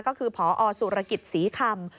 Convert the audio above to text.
ก็คือพอสุรกิจศรีคำ